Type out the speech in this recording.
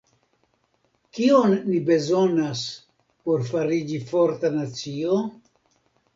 Kion ni bezonas por fariĝi forta nacio?